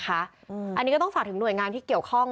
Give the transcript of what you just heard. อันนี้ก็ต้องฝากถึงหน่วยงานที่เกี่ยวข้อง